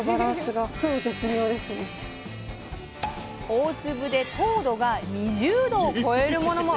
大粒で糖度が２０度を超えるものも！